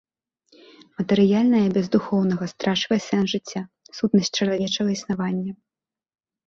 Матэрыяльнае без духоўнага страчвае сэнс жыцця, сутнасць чалавечага існавання.